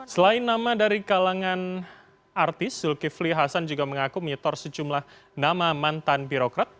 selain nama dari kalangan artis zulkifli hasan juga mengaku menyetor sejumlah nama mantan birokrat